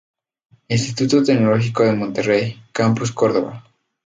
Instituto Tecnológico de Monterrey, Campus Córdoba.